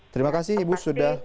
terima kasih ibu sudah